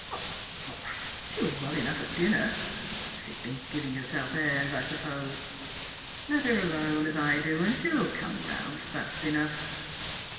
" Bosh ! She was well enough at dinner. She's been giving herself airs, I suppose. Let her alone, as I do, and she'll come round fast enough."